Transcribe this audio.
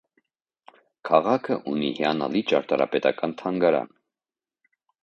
Քաղաքը ունի հիանալի ճարտարապետական թանգարան։